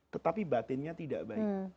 tetapi batinnya tidak baik